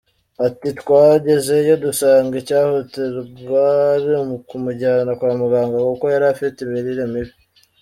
Ati “Twagezeyo dusanga icyihutirwa ari ukumujyana kwa muganga kuko yari afite imirire mibi.